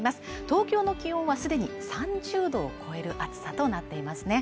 東京の気温はすでに３０度を超える暑さとなっていますね